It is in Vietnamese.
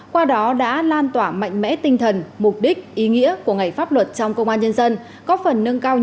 qua đó đã lan tỏa mạnh mẽ tinh thần mục đích ý nghĩa của ngày pháp luật trong công an nhân dân